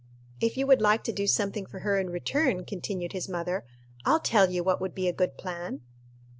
"If you would like to do something for her in return," continued his mother, "I'll tell you what would be a good plan."